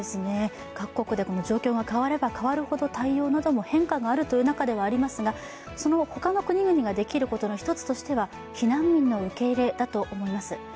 各国で状況が変われば変わるほど対応なども変化があるという中ではありますが、その他の国々ができることの一つとしては、避難民の受け入れだと思います。